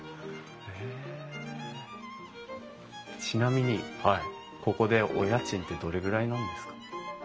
ちなみにここでお家賃ってどれぐらいなんですか？